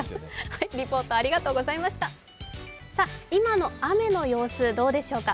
今の雨の様子どうでしょうか。